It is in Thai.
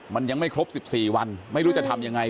มันยังไม่ครบ๑๔วันไม่รู้จะทำยังไง